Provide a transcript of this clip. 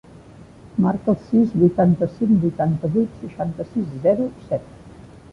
Marca el sis, vuitanta-cinc, vuitanta-vuit, seixanta-sis, zero, set.